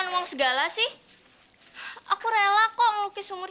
takkan berubah karena kita masih terus berah